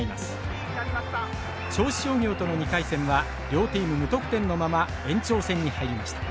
銚子商業との２回戦は両チーム無得点のまま延長戦に入りました。